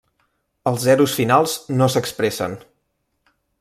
Els zeros finals no s'expressen.